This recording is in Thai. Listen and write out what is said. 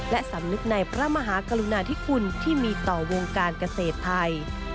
และสำนึกในพระมหากรุณาธิคุณที่มีต่อวงการเกษตรไทย